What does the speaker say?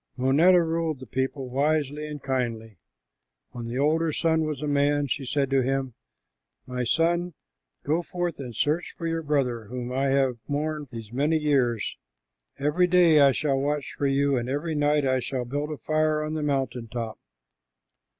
Moneta ruled the people wisely and kindly. When the older son was a man she said to him, "My son, go forth and search for your brother, whom I have mourned these many years. Every day I shall watch for you, and every night I shall build a fire on the mountain top."